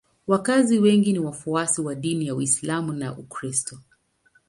Wakazi wengi ni wafuasi wa dini ya Uislamu na ya Ukristo.